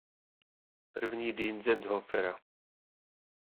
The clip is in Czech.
I. Dientzenhofera.